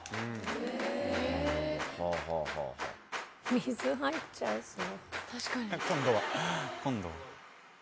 水入っちゃいそう。